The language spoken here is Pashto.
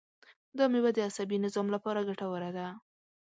دا مېوه د عصبي نظام لپاره ګټوره ده.